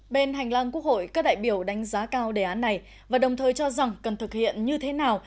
bên hành lang quốc hội các đại biểu đánh giá cao đề án này và đồng thời cho rằng cần thực hiện như thế nào